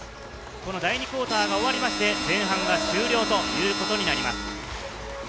この第２クオーターが終わりまして前半が終了ということになります。